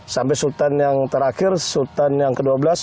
sampai sultan yang terakhir sultan yang ke dua belas